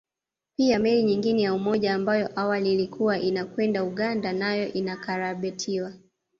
Pia meli nyingine ya Umoja ambayo awali ilikuwa inakwenda Uganda nayo inakarabatiwa